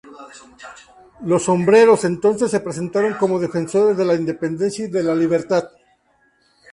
Los "sombreros" entonces se presentaron como defensores de la independencia y de la libertad.